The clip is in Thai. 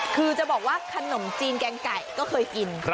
คือจะบอกว่าขนมจีนแกงไก่ก็เคยกิน